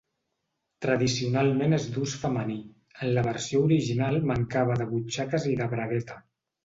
Tradicionalment és d'ús femení; en la versió original mancava de butxaques i de bragueta.